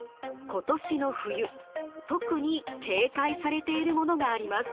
今年の冬特に警戒されているものがあります。